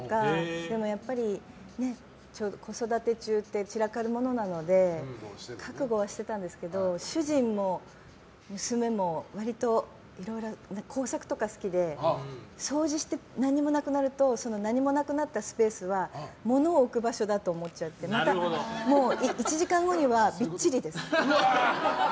でもやっぱり子育て中って散らかるものなので覚悟はしてたんですけど主人も娘も割といろいろ工作とか好きで掃除して、何もなくなると何もなくなったスペースは物を置く場所だと思っちゃって１時間後にはびっちりで。